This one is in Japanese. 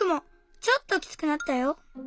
ちょっときつくなったよ。